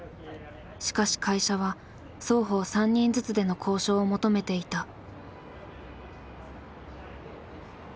しかし会社は双方３人ずつでの交渉を求めていた。